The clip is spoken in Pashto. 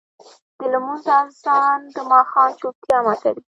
د لمونځ اذان د ماښام چوپتیا ماتوي.